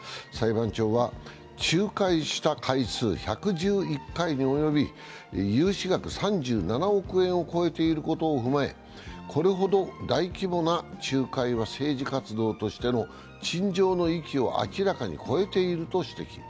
裁判長は仲介した回数１１１回に及び融資額３７億円を超えていることを踏まえ、これほど大規模な仲介は政治活動としての陳情の域を明らかに超えていると指摘。